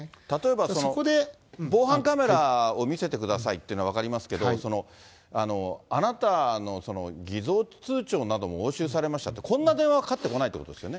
そこで防犯カメラを見せてくださいっていうのは分かりますけれども、あなたの偽造通帳なども押収されましたって、こんな電話はかかってこないってことですよね。